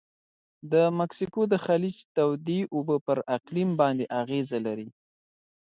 د مکسیکو د خلیج تودې اوبه پر اقلیم باندې اغیزه لري.